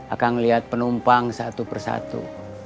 akang lihat penumpang satu persatu